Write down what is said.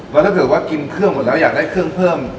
แล้วถ้าเกิดว่ากินเครื่องหมดแล้วอยากได้เครื่องเพิ่ม